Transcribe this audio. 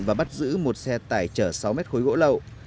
và bắt giữ một xe tải chở sáu mét khối gỗ lậu